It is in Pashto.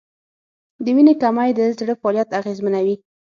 د وینې کمی د زړه فعالیت اغېزمنوي.